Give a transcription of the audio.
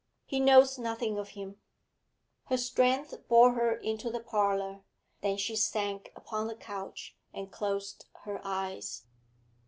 'He knows nothing of him.' Her strength bore her into the parlour, then she sank upon the couch and closed her eyes.